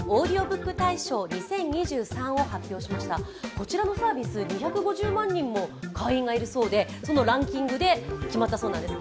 こちらのサービス２５０万人も会員がいるそうでそのランキングで決まったそうなんです。